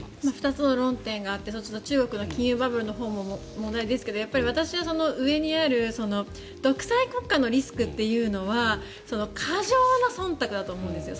２つの論点があって中国の金融バブルも問題ですがやっぱり私はその上にある独裁国家のリスクっていうのは過剰なそんたくだと思うんですよ。